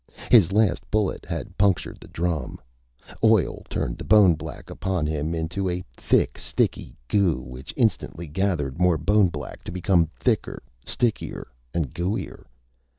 His last bullet had punctured the drum. Oil turned the bone black upon him into a thick, sticky goo which instantly gathered more bone black to become thicker, stickier, and gooier.